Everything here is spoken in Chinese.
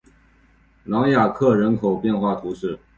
朗雅克人口变化图示